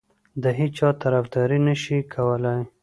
د هیچا طرفداري نه شي کولای.